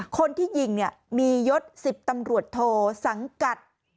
คนที่ยิงเนี่ยมียศ๑๐ตำรวจโทสังกัด